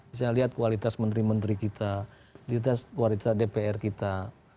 misalnya lihat kualitas menteri menteri kita kualitas dpr kita